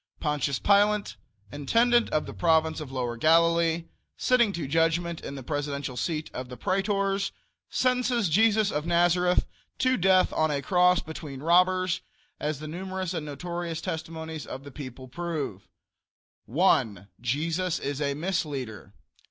Pontius Pilate, intendent of the Province of Lower Galilee, sitting to judgment in the presidential seat of the Praetors, sentences Jesus of Nazareth to death on a cross between robbers, as the numerous and notorious testimonies of the people prove: 1. Jesus is a misleader.